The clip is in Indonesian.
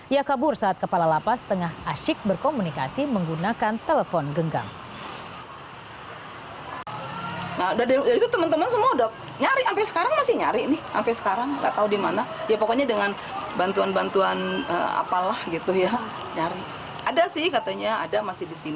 ia kabur saat kepala lapas tengah asyik berkomunikasi menggunakan telepon genggam